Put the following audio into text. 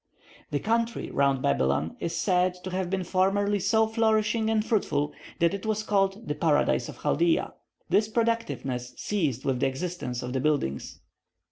The country round Babylon is said to have been formerly so flourishing and fruitful, that it was called the Paradise of Chaldea. This productiveness ceased with the existence of the buildings.